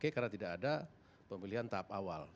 karena tidak ada pemilihan tahap awal